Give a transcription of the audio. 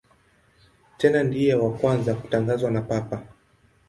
Tena ndiye wa kwanza kutangazwa na Papa.